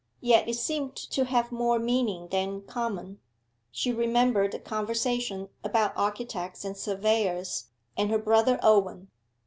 Yet it seemed to have more meaning than common. She remembered the conversation about architects and surveyors, and her brother Owen.